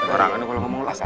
orang kalau ngomong jelas aja